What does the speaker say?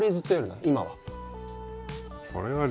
今は。